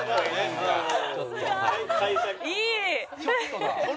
いい！